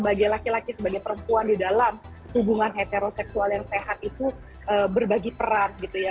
bagi laki laki sebagai perempuan di dalam hubungan heteroseksual yang sehat itu berbagi peran gitu ya